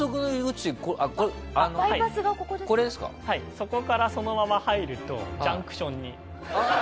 そこからそのまま入るとジャンクションに。